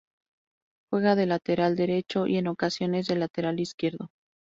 Juega de lateral derecho y en ocasiones de lateral izquierdo.